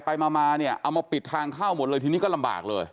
ไปมาเนี่ยเอามาปิดทางเข้าหมดเลยทีนี้ก็ลำบากเลย